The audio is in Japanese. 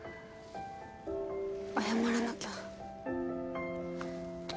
謝らなきゃ。